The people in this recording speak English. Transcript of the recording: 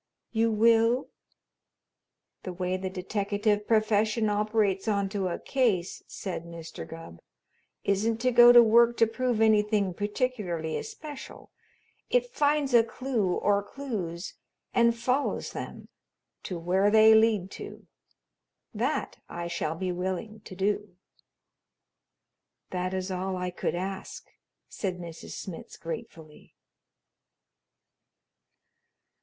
You will?" "The way the deteckative profession operates onto a case," said Mr. Gubb, "isn't to go to work to prove anything particularly especial. It finds a clue or clues and follows them to where they lead to. That I shall be willing to do." "That is all I could ask," said Mrs. Smitz gratefully.